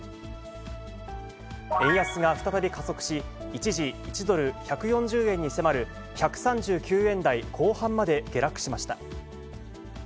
円安が再び加速し、一時、１ドル１４０円に迫る１３９円台後半まで下落しました。